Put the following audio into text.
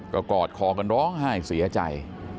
ก็กอดคอกันร้องไห้เสียใจ